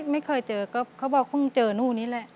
ไม่เคยเจอก็เขาบอกเพิ่งเจอนู่นนี่แหละ